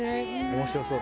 面白そう。